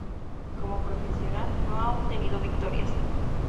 Como profesional no ha obtenido victorias.